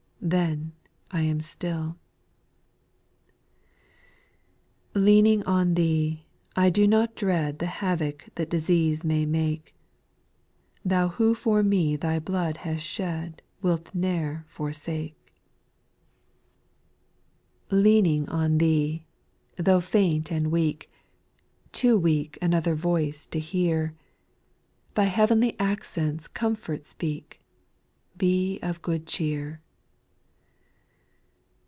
" Then I am still. 5 Leaning on Thee, I do not dread The havoc that disease m^a.^ \aaJKjfe% Thou who for me T\vy \AooOi\v«je}t ^Saa^ Wilt ne'er foT9.^aJ&G 282 SPIRITUAL SONGS. 6. Leaning on Thee, though faint and weak, Too weak another voice to hear, Thy heavenly accents comfort speak, *' Be of good cheer."